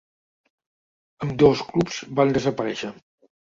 Ambdós clubs van desaparèixer.